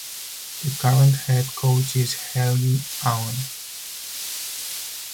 The current head coach is Helge Aune.